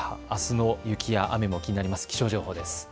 あすの雪や雨も気になります。